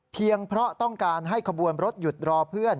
เพราะต้องการให้ขบวนรถหยุดรอเพื่อน